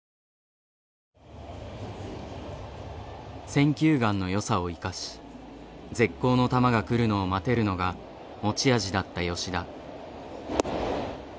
選球眼のよさを生かし絶好の球が来るのを待てるのが持ち味だった吉田。